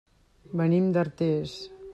Venim d'Artés.